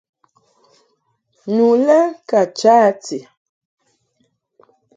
Nu lɛ ka cha a ti.